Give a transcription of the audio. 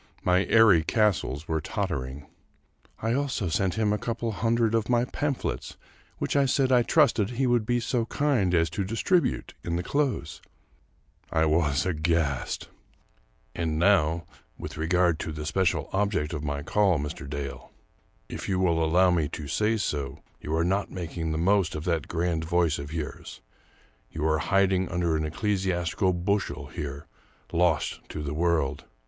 My airy castles were tottering !" I also sent him a couple of hundred of my pamphlets, which I said I trusted he would be so kind as to distribute in the close." I was aghast I 302 The Minor Canon " And now, with regard to the special object of my call, Mr. Dale. If you will allow me to say so, you are not making the most of that grand voice of yours ; you are hid den under an ecclesiastical bushel here — lost to the world.